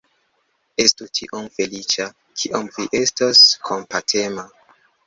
Estu tiom feliĉa, kiom vi estos kompatema!